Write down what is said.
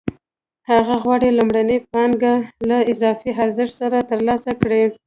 هغه غواړي لومړنۍ پانګه له اضافي ارزښت سره ترلاسه کړي